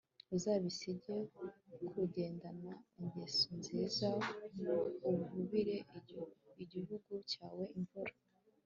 uzabigishe kugendana ingeso nziza uvubire igihugu cyawe imvura